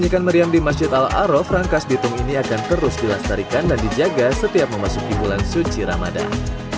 setelah meriam di masjid al arab rangkas ditung ini akan terus dilastarikan dan dijaga setiap memasuki bulan suci ramadan